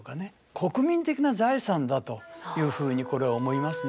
国民的な財産だというふうにこれは思いますね。